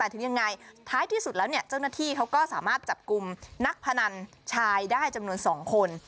ถึงยังไงท้ายที่สุดแล้วเจ้าหน้าที่เขาก็สามารถจับกลุ่มนักพนันชายได้จำนวน๒คน